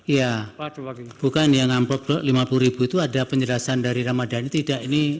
iya bukan yang amplop rp lima puluh itu ada penjelasan dari ramadhani tidak ini